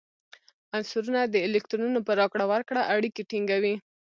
عنصرونه د الکترونونو په راکړه ورکړه اړیکې ټینګوي.